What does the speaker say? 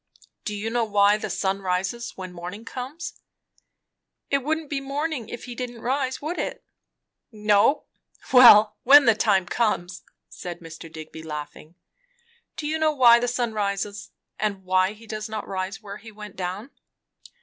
"Do you know why the sun rises when morning comes?" "It wouldn't be morning, if he didn't rise, would it?" "No. Well, when the time comes," said Mr. Digby laughing. "Do you know why the sun rises? and why does he not rise where he went down?"